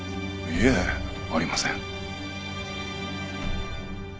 いえありません。